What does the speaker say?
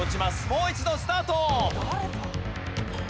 もう一度スタート。